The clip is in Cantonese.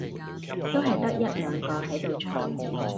都係得一兩個喺度嘈